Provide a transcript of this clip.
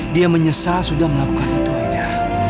dia menyesal sudah melakukan itu ada